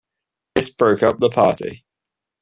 This broke up the party.